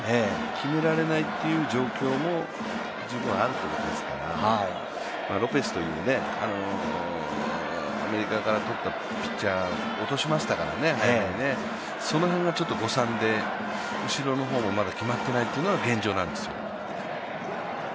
決められないという状況も十分あるということですから、ロペスというアメリカからとったピッチャーを落としましたから、その辺がちょっと誤算で、後ろの方もまだ決まっていないのが現状なんですよ。